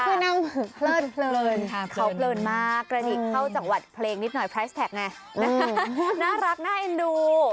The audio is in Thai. คือน้ำเพลินเพลินเพลินค่ะเขาเปลินมากกระดิกเข้าจังหวัดเพลงนิดหน่อยน่ารักน่าเอ็นดู